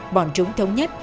bọn chúng thống nhất